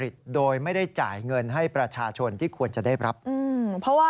ของหลายพื้นที่แล้ว